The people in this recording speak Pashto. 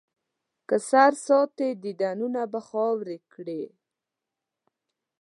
که سر ساتې، دیدنونه به خاورې کړي.